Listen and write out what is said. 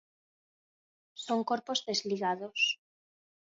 Son corpos desligados.